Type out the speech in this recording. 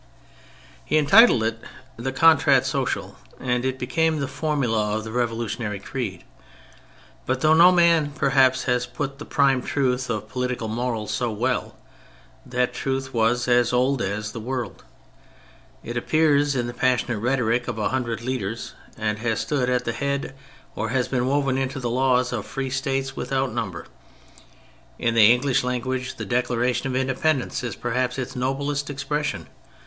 He entitled it the Contrat Social, and it became the formula of the Revolutionary Creed. But though no man, perhaps, has put the prime truth of political morals so well, that truth was as old as the world; it appears in the passionate rhetoric of a hundred leaders and has stood at the head or has been woven into the laws of free States without number. In the English language the Declaration of Independence is perhaps its noblest expression.